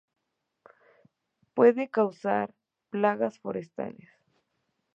Que puede causar plagas forestales.